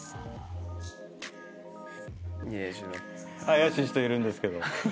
怪しい人いるんですけど。